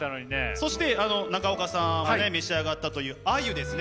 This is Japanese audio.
そして中岡さんはね召し上がったという鮎ですね。